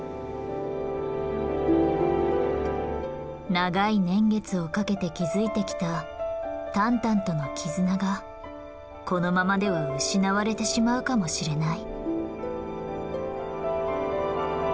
長い年月をかけて築いてきたタンタンとの絆がこのままでは失われてしまうかもしれない。